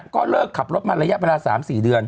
ก็เลิกขับรถมาระยะเวลา๓๔เดือน